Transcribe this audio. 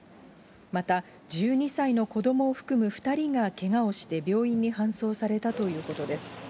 また１２歳の子どもを含む２人がけがをして病院に搬送されたということです。